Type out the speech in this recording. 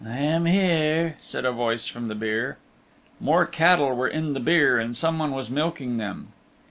"I am here," said a voice from the byre. More cattle were in the byre and someone was milking them.